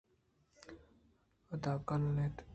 اد ءَ کلّ اَنت